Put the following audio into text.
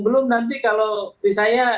belum nanti kalau misalnya